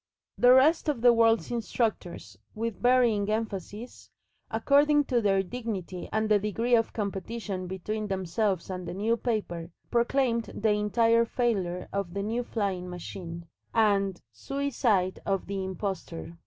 The rest of the world's instructors, with varying emphasis, according to their dignity and the degree of competition between themselves and the New Paper, proclaimed the "Entire Failure of the New Flying Machine," and "Suicide of the Impostor."